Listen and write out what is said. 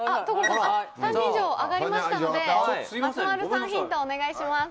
３人以上挙がりましたので松丸さんヒントをお願いします。